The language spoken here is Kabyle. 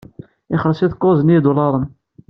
Ixelleṣ-it kuẓ n yidulaṛen.